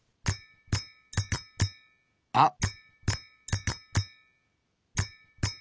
あっ！